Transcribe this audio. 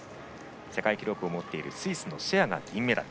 世界記録を持っているスイスのシェアが銀メダル。